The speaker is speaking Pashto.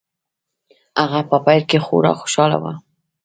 هغه په پیل کې خورا خوشحاله و